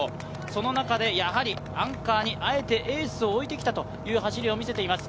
その中でアンカーにあえてエースを置いてきたという走りを見せています。